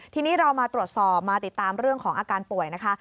ทีนี้เรามาตรวจสอบมาติดตามเรื่องของอาการป่วยนะคะ